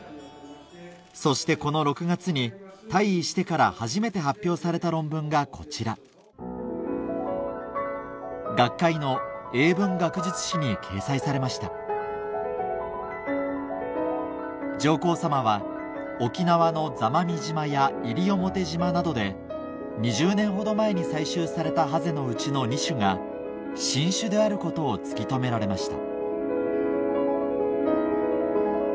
そしてこの６月に退位してから初めて発表された論文がこちら学会の英文学術誌に掲載されました上皇さまは沖縄の座間味島や西表島などで２０年ほど前に採集されたハゼのうちの２種が新種であることを突き止められました